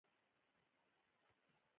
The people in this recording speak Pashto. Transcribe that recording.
لمسی د کور نوم ښایسته کوي.